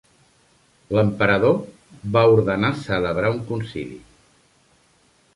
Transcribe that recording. L'emperador va ordenar celebrar un concili.